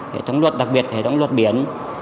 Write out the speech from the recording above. hệ thống luật đặc biệt hệ thống luật biển